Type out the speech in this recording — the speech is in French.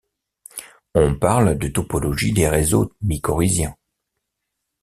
On parle de topologie des réseaux mycorhiziens.